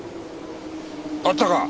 あったか！